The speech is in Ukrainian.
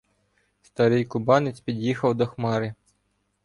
Старий кубанець під'їхав до Хмари.